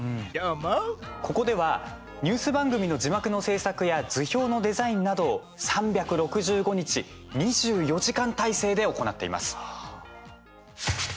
ここではニュース番組の字幕の製作や図表のデザインなど３６５日、２４時間体制で行っています。